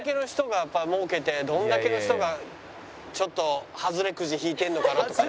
どれだけの人がちょっとハズレくじ引いてるのかなとかね。